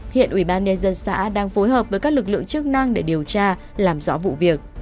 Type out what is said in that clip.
hiện ủy ban nhân dân xã đang phối hợp với các lực lượng chức năng để điều tra làm rõ vụ việc